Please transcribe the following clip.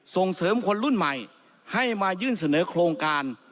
ส่งเสริมคนรุ่นใหม่ให้มายื่นเสนอโครงการ